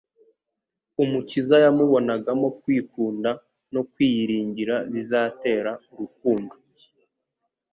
Umukiza yamubonagamo kwikunda, no kwiyiringira bizatera urukundo